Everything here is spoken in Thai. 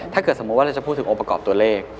สมมุติว่าเราจะพูดถึงองค์ประกอบตัวเลข